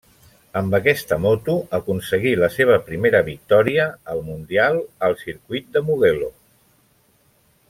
Amb aquesta moto, aconseguí la seva primera victòria al mundial al Circuit de Mugello.